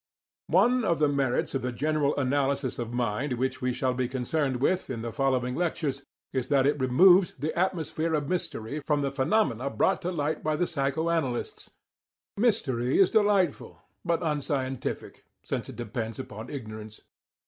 One of the merits of the general analysis of mind which we shall be concerned with in the following lectures is that it removes the atmosphere of mystery from the phenomena brought to light by the psycho analysts. Mystery is delightful, but unscientific, since it depends upon ignorance.